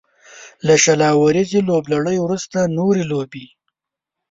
له شل اوريزې لوبلړۍ وروسته نورې لوبې